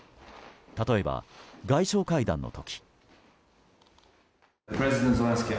例えば、外相会談の時。